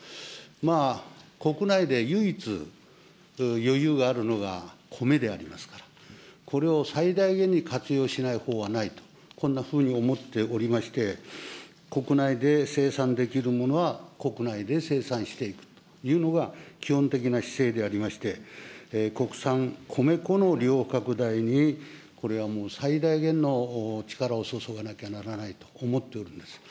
まあ、国内で唯一、余裕があるのがコメでありますから、これを最大限に活用しないほうはないと、こんなふうに思っておりまして、国内で生産できるものは、国内で生産していくというのが、基本的な姿勢でありまして、国産米粉の利用拡大に、これはもう、最大限の力を注がなきゃならないと思っております。